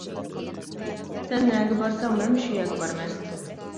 سەن نەگە بارساڭ مەنمۇ شۇ يەرگە بارىمەن!